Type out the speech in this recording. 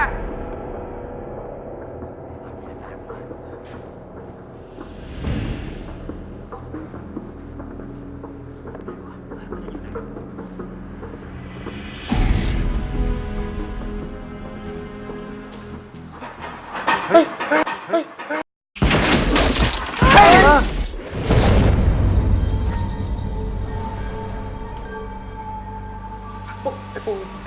เฮ้ยเฮ้ยเฮ้ย